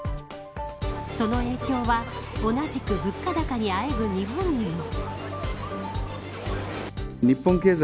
その影響は同じく物価高にあえぐ日本にも。